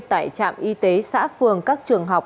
tại trạm y tế xã phường các trường học